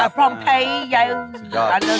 อย่างนั้นแม่คุยรู้เรื่อง